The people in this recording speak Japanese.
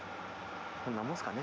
こんなもんすかね。